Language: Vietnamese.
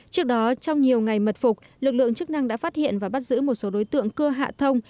trước đó trong nhiều ngày mật phục lực lượng chức năng đã phát hiện và bắt giữ một số đối tượng cưa hạ thông